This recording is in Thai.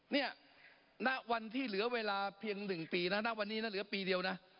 ณวันที่เหลือเวลาเพียง๑ปีนะณวันนี้นะเหลือปีเดียวนะ